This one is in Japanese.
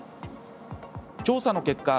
調査の結果